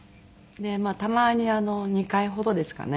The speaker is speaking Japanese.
たまに２回ほどですかね